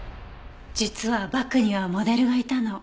実はバクにはモデルがいたの。